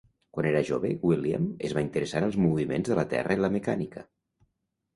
Quan era jove, William es va interessar en els moviments de la terra i la mecànica.